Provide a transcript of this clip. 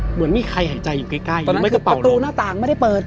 เหมือนมีใครหายใจอยู่ใกล้ใกล้ประตูหน้าต่างไม่ได้เปิด